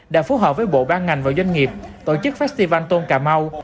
đã phối hợp với bộ ban ngành và doanh nghiệp tổ chức festival tôn cà mau